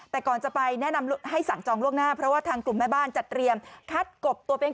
แต่ก่อนจะไปแนะนำให้สั่งจองล่วงหน้าเพราะว่าทางกลุ่มแม่บ้านจัดเตรียมคัดกบตัวเป็น